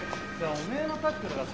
お前のタックルがさ